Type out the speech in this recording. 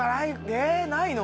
えっないの？